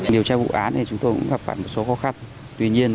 điều trai vụ án thì chúng tôi cũng gặp bản một số khó khăn